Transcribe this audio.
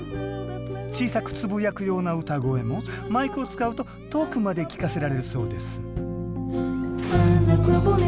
小さくつぶやくような歌声もマイクを使うと遠くまで聞かせられるそうです